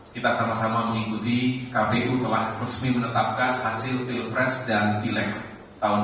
kita sama sama mengikuti kpu telah resmi menetapkan hasil pilpres dan pileg tahun dua ribu dua puluh